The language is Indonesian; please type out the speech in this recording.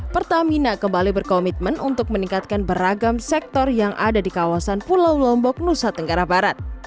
pertamina kembali berkomitmen untuk meningkatkan beragam sektor yang ada di kawasan pulau lombok nusa tenggara barat